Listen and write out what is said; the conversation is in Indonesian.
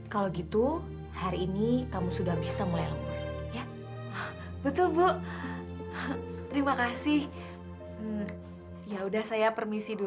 kalau gitu hari ini kamu sudah bisa mulai lemur ya betul bu terima kasih ya udah saya permisi dulu